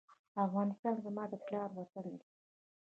افغانستان زما د پلار وطن دی؟